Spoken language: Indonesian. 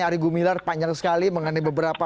ari gumilar panjang sekali mengenai beberapa